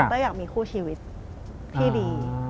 ก็อยากมีคู่ชีวิตที่ดี